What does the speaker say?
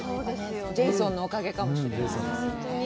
ジェイソンのおかげかもしれない。